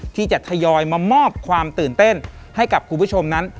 ที่จะทยอยมามอบความตื่นเต้นให้กับคุณผู้ชมนั้น